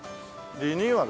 リニューアル？